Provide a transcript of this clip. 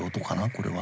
これは。